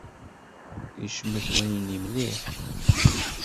Icmet wayenni mliḥ.